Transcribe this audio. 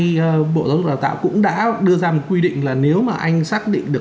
thì bộ giáo dục đào tạo cũng đã đưa ra một quy định là nếu mà anh xác định được